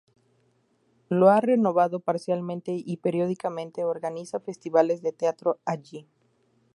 Lo ha renovado parcialmente y periódicamente organiza festivales de teatro allí.